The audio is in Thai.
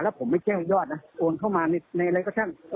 แล้วผมไม่แจ้งยอดนะโอนเข้ามาในอะไรก็ช่าง